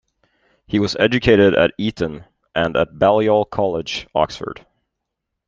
He was educated at Eton and at Balliol College, Oxford.